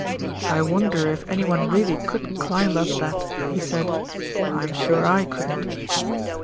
"I wonder if anyone really could climb up that," he said. "I'm sure I couldn't."